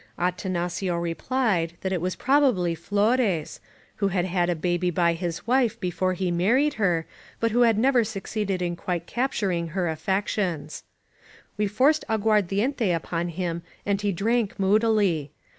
'' Atanacio replied that it was probably Flores, who had had a baby by his wife before he married her, but who had never succeeded in quite capturing her affec tions. We forced agtuardiente upon him and he drank moodily.